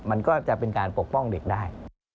มันก็จะเป็นการปกป้องเด็กได้